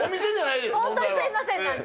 本当にすみません、なんか。